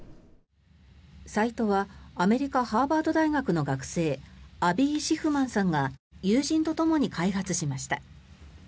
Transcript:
サイトはアメリカハーバード大学の学生アビ・シフマンさんが友人とともに開発しました。